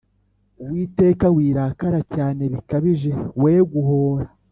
Uwiteka wirakara cyane bikabije we guhora